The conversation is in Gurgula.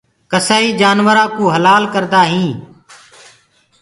ڪسآئي جآنورآ ڪوُ هلآ ڪردآ هينٚ